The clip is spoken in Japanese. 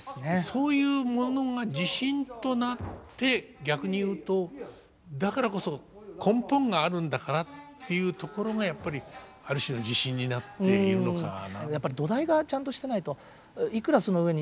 そういうものが自信となって逆に言うとだからこそ根本があるんだからっていうところがやっぱりある種の自信になっているのかな。